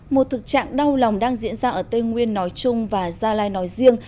một thực trạng đau lòng đang diễn ra ở tây nguyên nói chung và gia lai nói riêng